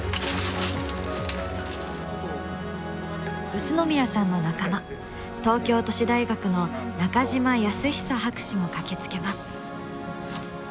宇都宮さんの仲間東京都市大学の中島保寿博士も駆けつけます。